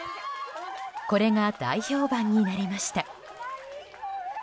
これが大評判になりました。